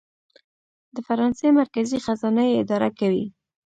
د فرانسې مرکزي خزانه یې اداره کوي.